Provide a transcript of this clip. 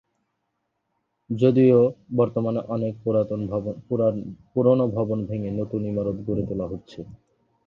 যদিও বর্তমানে অনেক পুরনো ভবন ভেঙে নতুন ইমারত গড়ে তোলা হচ্ছে।